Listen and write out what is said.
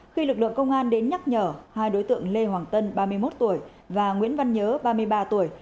khi lực lượng công an đến nhắc nhở hai đối tượng lê hoàng tân ba mươi một tuổi và nguyễn văn nhớ ba mươi ba tuổi